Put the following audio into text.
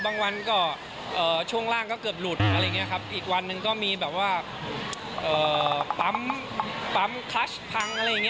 ฟังวันเกือบลุดอีกวันนึงก็มีปั๊มคลัชพัง